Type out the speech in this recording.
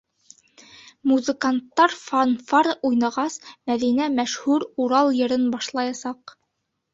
Музыканттар фанфар уйнағас, Мәҙинә мәшһүр «Урал» йырын башлаясаҡ.